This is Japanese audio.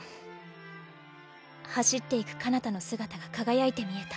走っていくかなたの姿が輝いて見えた。